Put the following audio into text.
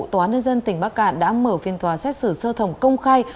tòa ninh dân tỉnh bắc cạn đã mở phiên tòa xét xử sơ thẩm công khai